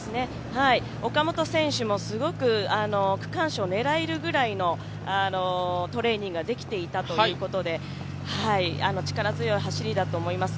岡本選手もすごく区間賞、狙えるくらいのトレーニングができていたということで力強い走りだと思います。